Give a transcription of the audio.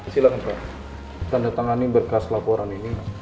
silahkan pak tanda tangani berkas laporan ini